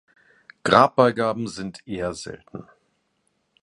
Grabbeigaben sind eher selten.